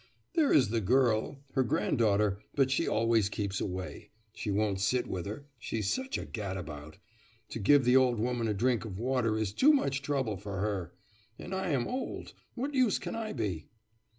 'There is the girl her granddaughter, but she always keeps away. She won't sit with her; she's such a gad about. To give the old woman a drink of water is too much trouble for her. And I am old; what use can I be?